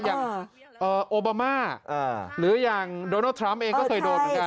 อย่างโอบามาหรืออย่างโดนัลดทรัมป์เองก็เคยโดนเหมือนกัน